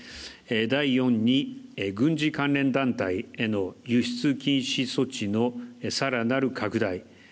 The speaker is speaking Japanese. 第４に、軍事関連団体への輸出禁止措置のさらなる拡大。